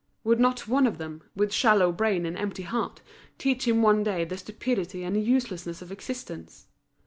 Would not one of them, with shallow brain and empty heart, teach him one day the stupidity and uselessness of existence?